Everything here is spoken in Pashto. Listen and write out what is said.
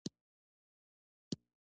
غوښتنو ته یې لبیک وویل.